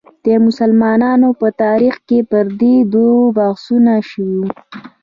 د مسلمانانو په تاریخ کې پر دې دورو بحثونه شوي.